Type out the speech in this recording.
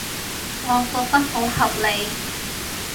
我覺得好合理